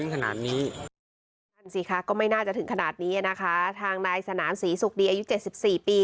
ก็ไม่น่าจะถึงขนาดนี้นะคะทางนายสนามศรีสุกดีอายุเจ็ดสิบสี่ปี